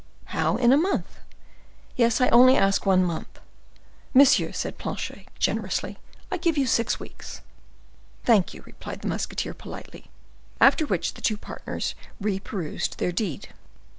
"How, in a month?" "Yes, I only ask one month." "Monsieur," said Planchet, generously, "I give you six weeks." "Thank you," replied the musketeer, politely; after which the two partners reperused their deed.